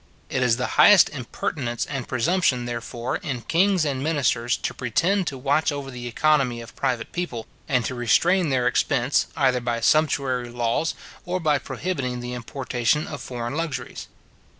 It is the highest impertinence and presumption, therefore, in kings and ministers to pretend to watch over the economy of private people, and to restrain their expense, either by sumptuary laws, or by prohibiting the importation of foreign luxuries.